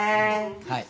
はい。